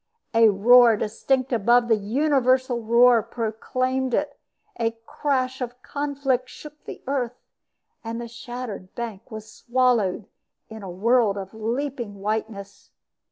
A roar distinct above the universal roar proclaimed it; a crash of conflict shook the earth, and the shattered bank was swallowed in a world of leaping whiteness.